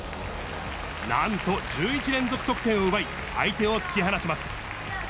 なんと１１連続得点を奪い、相手を突き離します。